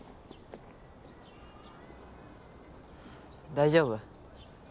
大丈夫？